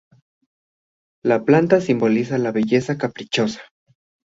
La planta simboliza la belleza caprichosa.